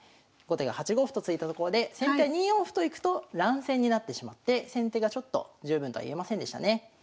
後手が８五歩と突いたところで先手は２四歩といくと乱戦になってしまって先手がちょっと十分とはいえませんでしたね。